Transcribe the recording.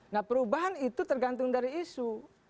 nah perubahan itu tergantung dari isu